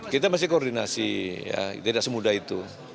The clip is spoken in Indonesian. kita masih koordinasi ya tidak semudah itu